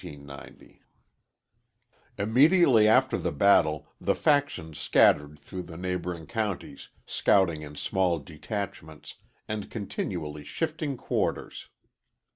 Immediately after the battle the factions scattered through the neighboring counties, scouting in small detachments, and continually shifting quarters.